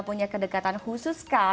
punya kedekatan khusus kah